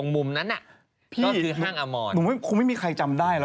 บูราณมาคอมร